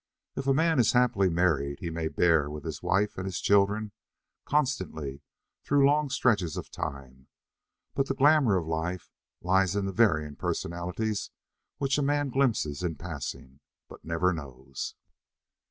If a man is happily married he may bear with his wife and his children constantly through long stretches of time, but the glamour of life lies in the varying personalities which a man glimpses in passing, but never knows.